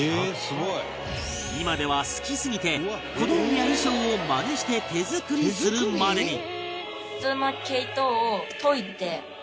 今では好きすぎて小道具や衣装をマネして手作りするまでに